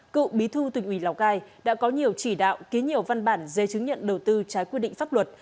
cựu bí thư tỉnh ủy lào cai đã có nhiều chỉ đạo ký nhiều văn bản dây chứng nhận đầu tư trái quy định pháp luật